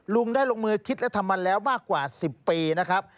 ลุงได้ลงมือคิดและทำมาแล้วมากกว่า๑๐ปีนะครับ